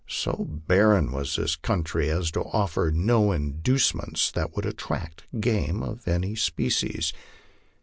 So barren was the country as to offer no inducements that would attract game of any species.